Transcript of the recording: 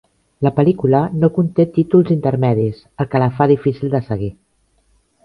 La pel·lícula no conté títols intermedis, el que la fa difícil de seguir.